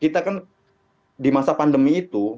kita kan di masa pandemi itu